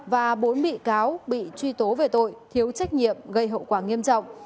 và bốn bị cáo bị truy tố về tội thiếu trách nhiệm gây hậu quả nghiêm trọng